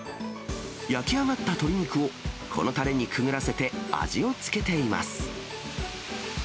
焼き上がった鶏肉をこのたれにくぐらせて、味をつけています。